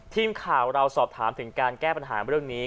ทีมข่าวเราสอบถามถึงการแก้ปัญหาเรื่องนี้